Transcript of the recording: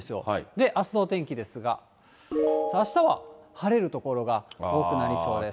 で、あすのお天気ですが、あしたは晴れる所が多くなりそうです。